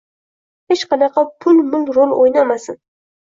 Hech qanaqa pul-mul rol o‘ynamasin.